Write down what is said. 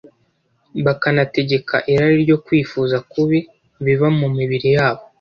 bakanategeka irari no kwifuza kubi biba mu mibiri yabo?